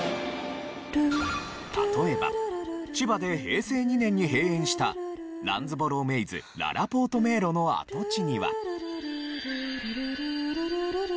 例えば千葉で平成２年に閉園したランズボローメイズららぽーと迷路の跡地には。